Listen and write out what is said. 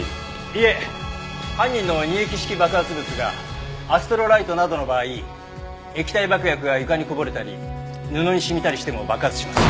いえ犯人の二液式爆発物がアストロライトなどの場合液体爆薬が床にこぼれたり布に染みたりしても爆発します。